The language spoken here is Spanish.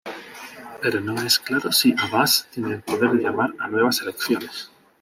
Pero no es claro si Abás tiene el poder de llamar a nuevas elecciones.